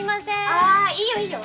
ああいいよいいよ。